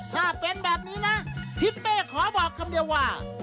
ถ้าเป็นแบบนี้นะทิศเป้ขอบอกคำเดียวว่า